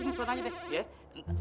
nanti disuruh nanya deh